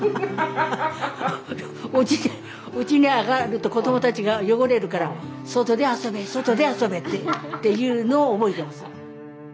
おじいちゃんうちに上がると子どもたちが汚れるから外で遊べ外で遊べってっていうのを覚えてます。